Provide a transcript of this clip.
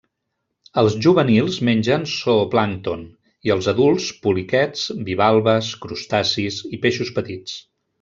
Els juvenils mengen zooplàncton i els adults poliquets, bivalves, crustacis i peixos petits.